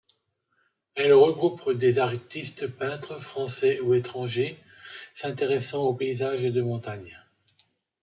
Elle regroupe des artistes peintres, français ou étrangers, s'intéressant aux paysages de montagne.